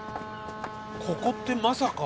ここってまさか。